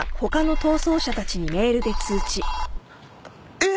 えっ！？